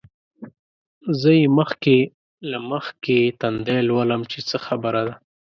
زه یې مخکې له مخکې تندی لولم چې څه خبره ده.